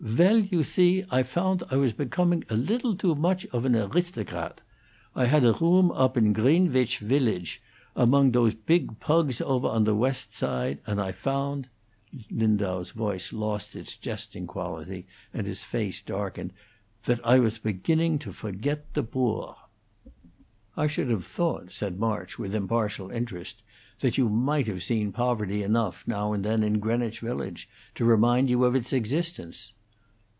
"Well, you zee, I foundt I was begoming a lidtle too moch of an aristograt. I hadt a room oap in Creenvidge Willage, among dose pig pugs over on the West Side, and I foundt" Liudau's voice lost its jesting quality, and his face darkened "that I was beginning to forget the boor!" "I should have thought," said March, with impartial interest, "that you might have seen poverty enough, now and then, in Greenwich Village to remind you of its existence."